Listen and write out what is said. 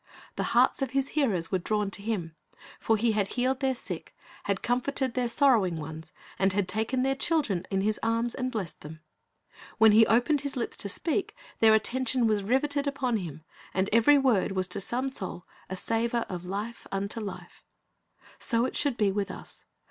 The hearts of His hearers were drawn to Him; for He had healed their sick, had comforted their sorrowing ones, and had taken their children in His arms and blessed them. When He opened His lips to speak, their attention was riveted upon Him, and every word was to some soul a savor of life unto life. 1 Titus 2: 8. Talents 339 So it should be with us.